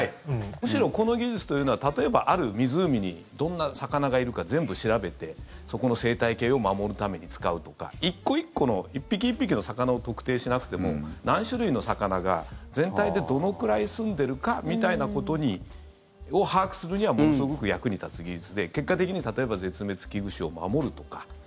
むしろこの技術というのは例えば、ある湖にどんな魚がいるか全部調べてそこの生態系を守るために使うとか１個１個の、１匹１匹の魚を特定しなくても何種類の魚が全体でどのくらいすんでるかみたいなことを把握するにはものすごく役に立つ技術で結果的に例えば絶滅危惧種を守るとか。